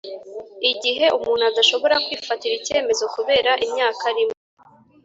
igihe umuntu adashobora kwifatira icyemezo kubera imyaka arimo,